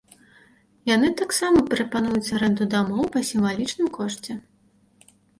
Яны таксама прапануюць арэнду дамоў па сімвалічным кошце.